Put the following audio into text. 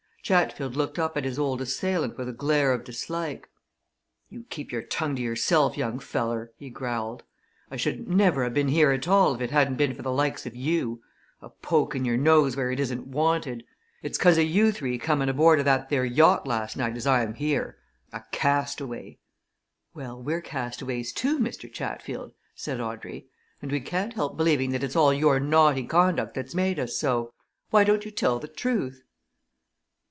Chatfield looked up at his old assailant with a glare of dislike. "You keep your tongue to yourself, young feller!" he growled. "I shouldn't never ha' been here at all if it hadn't been for the likes of you a pokin' your nose where it isn't wanted. It's 'cause o' you three comin' aboard o' that there yacht last night as I am here a castaway!" "Well, we're castaways, too, Mr. Chatfield," said Audrey. "And we can't help believing that it's all your naughty conduct that's made us so. Why don't you tell the truth?"